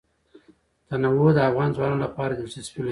تنوع د افغان ځوانانو لپاره دلچسپي لري.